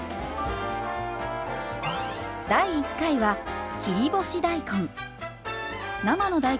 第１回は切り干し大根。